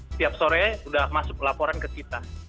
setiap sore sudah masuk laporan ke kita